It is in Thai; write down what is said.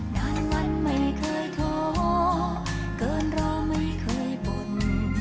นานวันไม่เคยท้อเกินรอไม่เคยบ่น